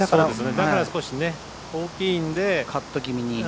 だから大きいんでカット気味に。